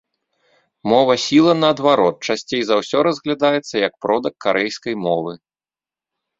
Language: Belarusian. Мова сіла, наадварот, часцей за ўсё разглядаецца як продак карэйскай мовы.